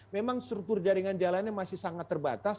memang struktur jaringan jalannya masih sangat terbatas